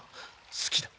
「好きだ」